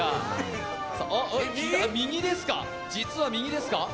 右ですか、実は右ですか。